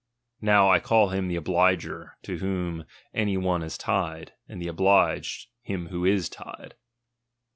Now I call bim the obliger, to whom any one is tied : and the obliged, him who is tied.